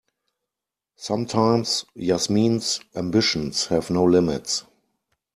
Sometimes Yasmin's ambitions have no limits.